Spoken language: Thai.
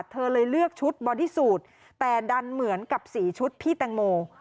เธอเลยเลือกชุดบอดี้สูตรแต่ดันเหมือนกับสี่ชุดพี่แตงโม